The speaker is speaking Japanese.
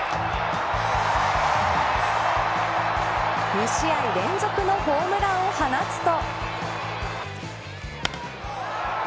２試合連続のホームランを放つと。